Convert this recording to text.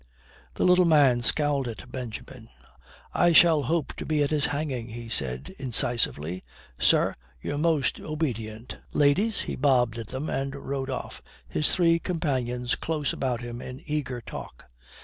The little man scowled at Benjamin. "I shall hope to be at his hanging," he said incisively. "Sir, your most obedient! Ladies!" he bobbed at them and rode off, his three companions close about him in eager talk.